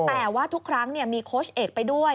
แต่ว่าทุกครั้งมีโค้ชเอกไปด้วย